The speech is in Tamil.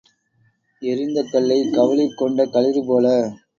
எறிந்த கல்லைக் கவுளிற் கொண்ட களிறு போல.